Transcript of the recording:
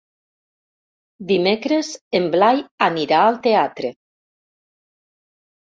Dimecres en Blai anirà al teatre.